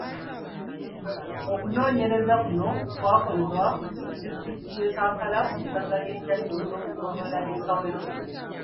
Okunoonyereza kuno kwakolebwa mu disitulikiti y’eKampala mu ssaza, ly’eKyaddondo mu Ggombolola y’eKawempe.